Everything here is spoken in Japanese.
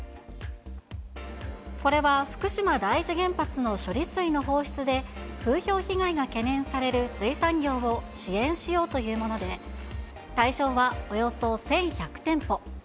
これは福島第一原発の処理水の放出で、風評被害が懸念される水産業を支援しようというもので、対象はおよそ１１００店舗。